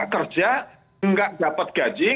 kerja tidak dapat gaji